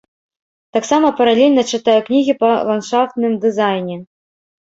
Таксама паралельна чытаю кнігі па ландшафтным дызайне.